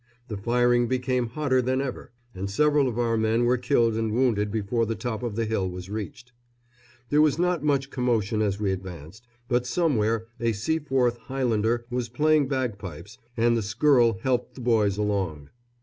The firing became hotter than ever, and several of our men were killed and wounded before the top of the hill was reached. There was not much commotion as we advanced, but somewhere a Seaforth Highlander was playing bagpipes, and the skirl helped the boys along.